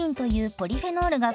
ポリフェノールへえ。